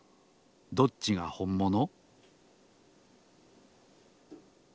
どっちがほんもの？